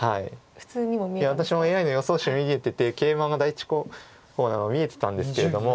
いや私もＡＩの予想手を見ててケイマが第１候補なのが見えてたんですけれども。